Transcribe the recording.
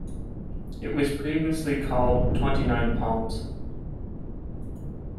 It was previously called Twenty-Nine Palms.